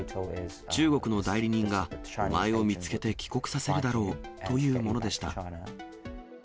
中国の代理人がお前を見つけて帰国させるだろうというものでした。